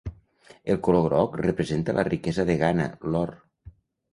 El color groc representa la riquesa de Ghana, l'or.